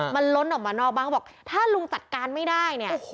มันล้นออกมานอกบ้านเขาบอกถ้าลุงจัดการไม่ได้เนี่ย